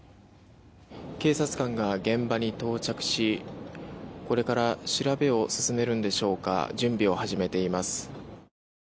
警察官が現場に到着しこれから調べを進めるんでしょうか準備を始めています。